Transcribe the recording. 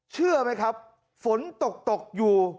เชื่อไหมครับฝนตกอยู่